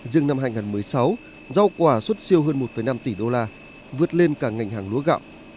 dừng năm hai nghìn một mươi sáu rau quả xuất siêu hơn một năm tỷ usd vượt lên cả ngành hàng lúa gạo